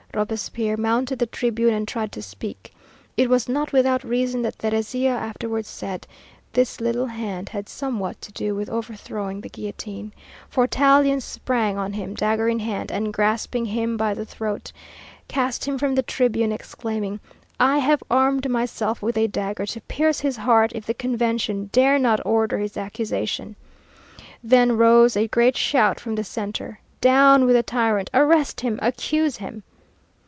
Robespierre mounted the tribune and tried to speak. It was not without reason that Thérézia afterwards said, "This little hand had somewhat to do with overthrowing the guillotine," for Tallien sprang on him, dagger in hand, and, grasping him by the throat, cast him from the tribune, exclaiming, "I have armed myself with a dagger to pierce his heart if the Convention dare not order his accusation." Then rose a great shout from the Centre, "Down with the tyrant, arrest him, accuse him!"